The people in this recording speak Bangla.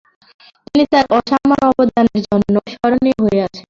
তিনি তার অসামান্য অবদানের জন্য স্মরণীয় হয়ে আছেন।